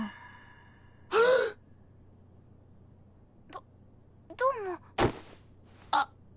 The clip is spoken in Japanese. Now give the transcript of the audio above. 「どどうも」あっ！